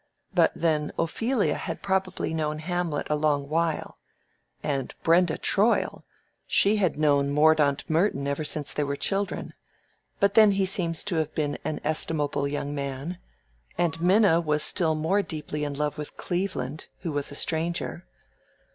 But then Ophelia had probably known Hamlet a long while; and Brenda Troil—she had known Mordaunt Merton ever since they were children; but then he seems to have been an estimable young man; and Minna was still more deeply in love with Cleveland, who was a stranger.